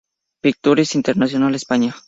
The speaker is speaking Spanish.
Pictures International España".